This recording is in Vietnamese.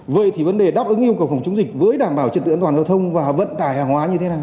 vậy thì vấn đề đáp ứng yêu cầu phòng chống dịch với đảm bảo trật tự an toàn giao thông và vận tải hàng hóa như thế nào